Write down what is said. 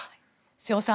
瀬尾さん